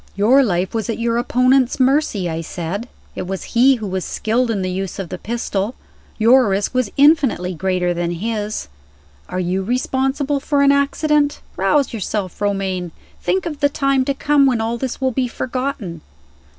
"Your life was at your opponent's mercy," I said. "It was he who was skilled in the use of the pistol; your risk was infinitely greater than his. Are you responsible for an accident? Rouse yourself, Romayne! Think of the time to come, when all this will be forgotten."